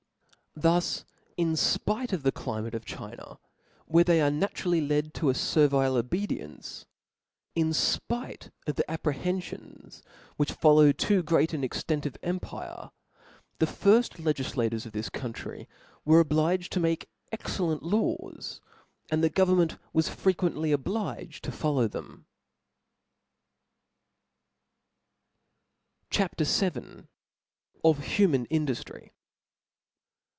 Thus, in fpite of the climate of China, where they are naturally led to a fervile obedience, in fpite of the apprehenfions which follow too great an extent of empire, the firft legiilators of this country were obliged to. make excellent laws, and the government was frequently obliged to follow them. CHAP. VIL Of human Indujiry.